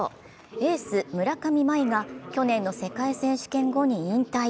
エース・村上茉愛が去年の世界選手権後に引退。